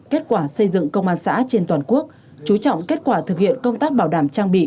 kết quả xây dựng công an xã trên toàn quốc chú trọng kết quả thực hiện công tác bảo đảm trang bị